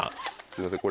すいません